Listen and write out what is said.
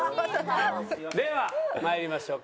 では参りましょう。